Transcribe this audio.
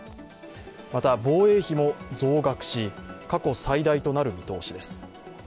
また防衛費も増額し過去最大となる見通しです。